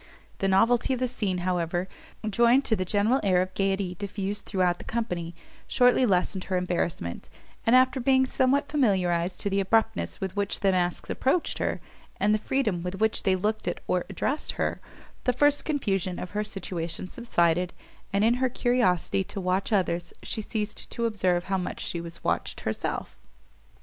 The novelty of the scene, however, joined to the general air of gaiety diffused throughout the company, shortly lessened her embarrassment; and, after being somewhat familiarized to the abruptness with which the masks approached her, and the freedom with which they looked at or addressed her, the first confusion of her situation subsided, and in her curiosity to watch others, she ceased to observe how much she was watched herself.